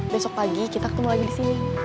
besok pagi kita ketemu lagi di sini